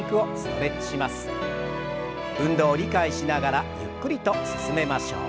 運動を理解しながらゆっくりと進めましょう。